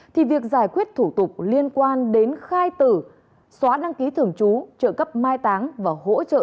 thì việc giải quyết thủ tục liên quan đến khai tử xóa đăng ký thường trú trợ cấp mai táng và hỗ trợ